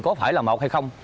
có phải là một hay không